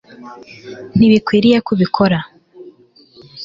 Ntibikenewe ko ubikora